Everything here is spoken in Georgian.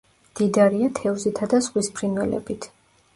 მდიდარია თევზითა და ზღვის ფრინველებით.